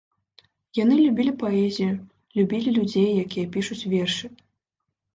Яны любілі паэзію, любілі людзей, якія пішуць вершы.